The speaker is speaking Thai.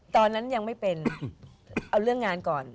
ตอนนั้นยังไม่เป็นเอาเรื่องงานก่อน